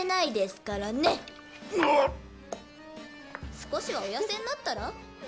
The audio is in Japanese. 少しはお痩せになったら？